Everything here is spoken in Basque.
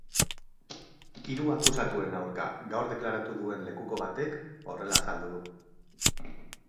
Hiru akusatuen aurka gaur deklaratu duen lekuko batek horrela azaldu du.